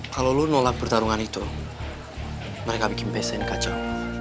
kalau lo nolak pertarungan itu mereka bikin passion kacau